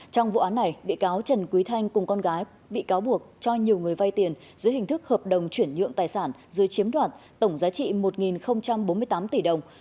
trong vụ án này bị cáo trần quý thanh cùng con gái bị cáo buộc cho nhiều người vay tiền dưới hình thức hợp đồng chuyển nhượng tài sản dưới chiếm đoạt tổng giá trị một bốn mươi tám tỷ đồng